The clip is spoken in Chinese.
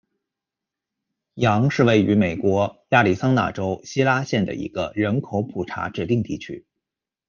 扬是位于美国亚利桑那州希拉县的一个人口普查指定地区。